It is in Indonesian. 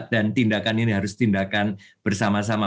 dan tindakan ini harus tindakan bersama sama